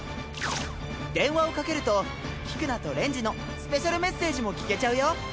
電話をかけるとキクナとレンジのスペシャルメッセージも聞けちゃうよ。